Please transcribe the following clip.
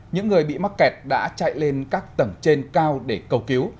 những người bị mắc kẹt đã chạy lên các tầng trên cao để cầu cứu